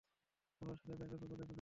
আমার সাথে এরকম মজা কেনো করছ?